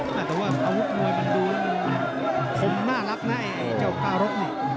แต่ว่าอาวุธมวยมันดูคมน่ารักนะไอ้เจ้าการรสนี่